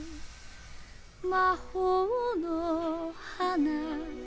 魔法の花